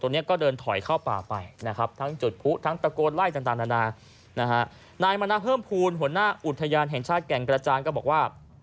นายมณะเพิ่มภูมิหัวหน้าอุทยานแห่งชาติแก่งกระจานก็บอกว่า